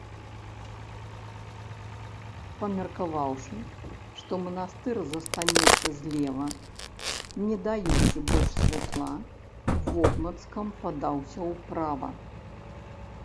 Памеркаваўшы, што манастыр застанецца злева, не даючы больш святла, вобмацкам падаўся ўправа.